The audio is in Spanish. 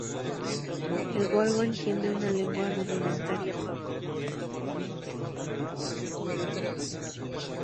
El huargo entiende una lengua rudimentaria propia.